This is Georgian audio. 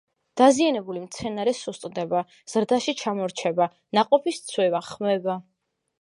დაზიანებული მცენარე სუსტდება, ზრდაში ჩამორჩება, ნაყოფი სცვივა, ხმება.